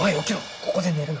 ここで寝るな。